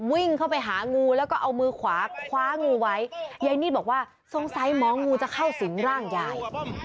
วิ่งเข้าไปหางูแล้วก็เอามือขวาคว้างูไว้ยายนีดบอกว่าสงสัยหมองูจะเข้าสิงร่างยาย